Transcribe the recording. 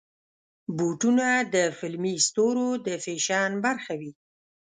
بوټونه د فلمي ستورو د فیشن برخه وي.